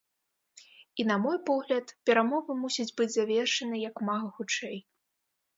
І, на мой погляд, перамовы мусяць быць завершаны як мага хутчэй.